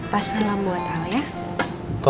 pasti bilang buat al ya